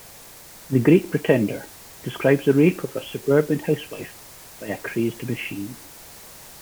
"The Great Pretender" describes the rape of a suburban housewife by a crazed machine.